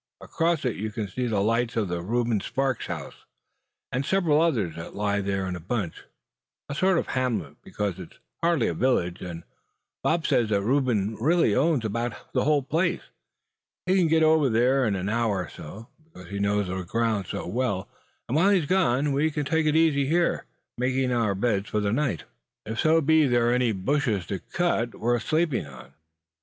Across it you can see the lights of Reuben Sparks' house, and several others that lie there in a bunch, a sort of hamlet, because it's hardly a village. And Bob says that Reuben really owns about the whole place. He can get over there in an hour or so, because he knows the ground so well. And while he's gone, we can take it easy here, making up our beds for the night; if so be there are any bushes to be cut, worth sleeping on."